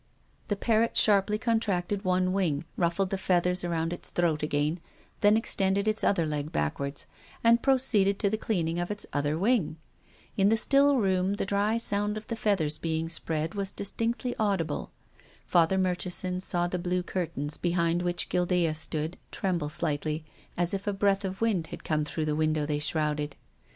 The parrot sharply contracted one wing, ruffled the feathers around its throat again, then extended its other leg backwards, and proceeded to the cleaning of its other wing. In the still room the dry sound of the feathers being spread was distinctly audible. Father Murchison saw the blue curtains behind which Guildea stood tremble slightly, as if a breath of wind had come through the window they shrouded.